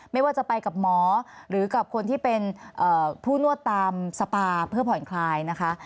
ไม่ว่าจะไปกับหมอหรือกับคนที่เป็นผู้นวดตามสปาเพื่อผ่อนคลายนะคะ